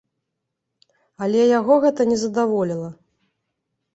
Але яго гэта не задаволіла.